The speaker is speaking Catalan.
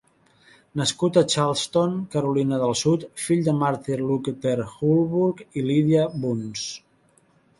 Nascut a Charleston, Carolina del Sud, fill de Martin Luther Hurlbut i Lydia Bunce.